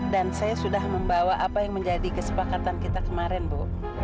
saya sudah membawa apa yang menjadi kesepakatan kita kemarin bu